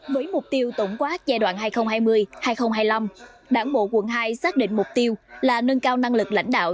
với mục tiêu tổng quát giai đoạn hai nghìn hai mươi hai nghìn hai mươi năm đảng bộ quận hai xác định mục tiêu là nâng cao năng lực lãnh đạo